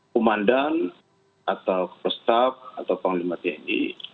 pemandan atau perstaf atau penglima tni